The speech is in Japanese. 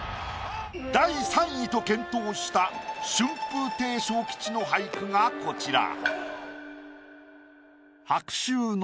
第３位と健闘した春風亭昇吉の俳句がこちら。